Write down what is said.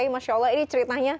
masya allah ini ceritanya